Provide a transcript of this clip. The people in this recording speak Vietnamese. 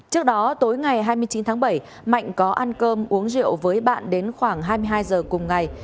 trước đó tối ngày hai mươi chín tháng bảy mạnh có ăn cơm uống rượu với bạn đến khoảng hai mươi hai giờ cùng ngày